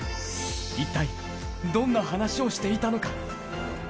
一体、どんな話をしていたのか。